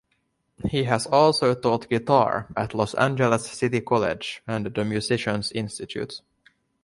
He has also taught guitar at Los Angeles City College and The Musician's Institute.